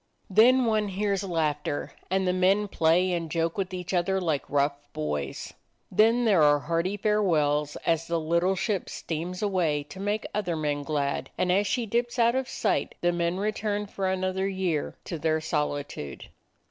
Then one hears laughter, and the men play and joke with each other like rough boys. Then there are hearty farewells as the little ship steams away to make other men glad, and as she dips out of sight the men return for an other year to their solitude.